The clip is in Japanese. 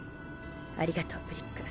ありがとうブリック。